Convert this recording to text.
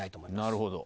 なるほど。